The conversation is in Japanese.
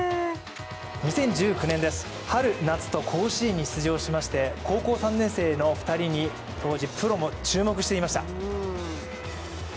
２０１９年です、春夏と甲子園に出場しまして高校３年生の２人に当時、プロも注目していました。